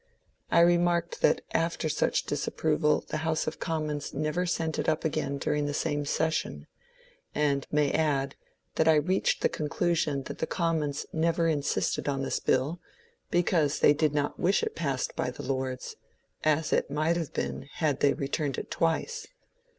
I re marked that after such disapproval the House of Commons never sent it up again during the same session ; and may add that I reached the conclusion that the Commons never insisted on this bill because they did not wish it passed by the Lords, as it might have been had they returned it twice.